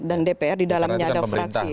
dan dpr di dalamnya ada fraksi